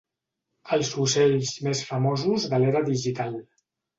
Els ocells més famosos de l'era digital.